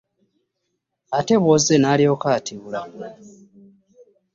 Ate bw'ozze n'alyoka atibula.